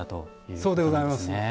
そうでございます。